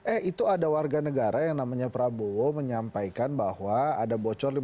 eh itu ada warga negara yang namanya prabowo menyampaikan bahwa ada bocor